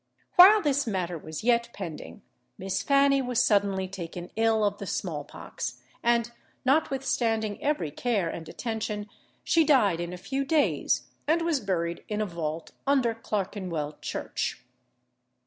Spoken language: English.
While this matter was yet pending, Miss Fanny was suddenly taken ill of the small pox; and, notwithstanding every care and attention, she died in a few days, and was buried in a vault under Clerkenwell church.